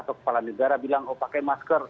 atau kepala negara bilang oh pakai masker